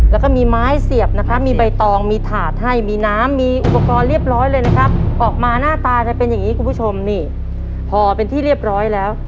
แล้วก็มีไม้เสียบนะครับมีใบตองมีถาดให้มีน้ำมีอุปกรณ์เรียบร้อยเลยนะครับออกมาหน้าตาจะเป็นอย่างนี้คุณผู้ชมนี่พอเป็นที่เรียบร้อยแล้ว